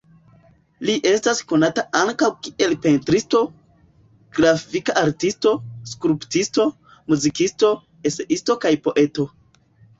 Li estas konata ankaŭ kiel pentristo, grafika artisto, skulptisto, muzikisto, eseisto kaj poeto.